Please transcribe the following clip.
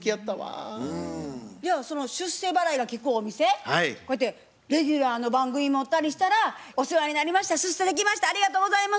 じゃあその出世払いがきくお店こうやってレギュラーの番組持ったりしたら「お世話になりました出世できましたありがとうございます」